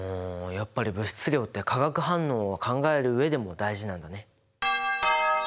やっぱり物質量って化学反応を考える上でも大事なんだね。